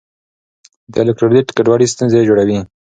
د الیکټرولیټ ګډوډي ستونزې جوړوي.